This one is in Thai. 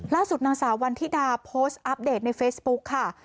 ล่าสุดนางสาววันธิดาโพสต์อัปเดตในเฟซบุ๊กค่ะ